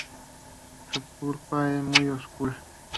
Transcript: Su pulpa es muy oscura.